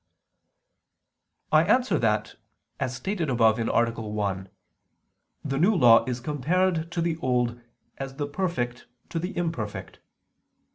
I answer that, As stated above (A. 1), the New Law is compared to the Old as the perfect to the imperfect.